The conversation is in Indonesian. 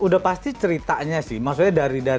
udah pasti ceritanya sih